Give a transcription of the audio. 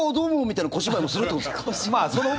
みたいな小芝居もするってことですか？